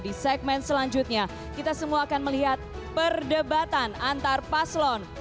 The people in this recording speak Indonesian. di segmen selanjutnya kita semua akan melihat perdebatan antar paslon